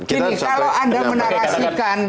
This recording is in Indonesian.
kalau anda menarasikan